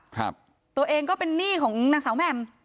ครับตัวเองก็เป็นหนี้ของนางสาวแหม่ม